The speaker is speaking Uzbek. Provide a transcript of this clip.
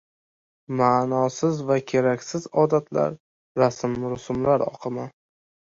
ma’nisiz va keraksiz odatlar, rasm-rusumlar oqimi...